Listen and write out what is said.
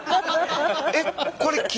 えっ？